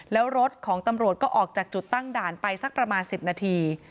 แล้วรถของตำรวจก็ออกจากจุดตั้งด่านไปสักประมาณ๑๐นาที